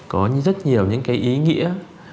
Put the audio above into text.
có rất nhiều những cái ý nghĩa